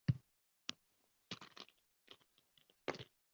U deraza yonida turgan sharpani sezishmadi.